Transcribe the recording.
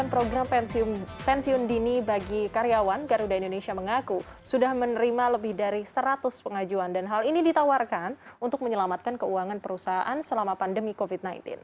program pensiun dini bagi karyawan garuda indonesia mengaku sudah menerima lebih dari seratus pengajuan dan hal ini ditawarkan untuk menyelamatkan keuangan perusahaan selama pandemi covid sembilan belas